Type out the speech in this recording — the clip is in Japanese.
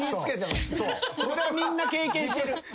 それはみんな経験してる。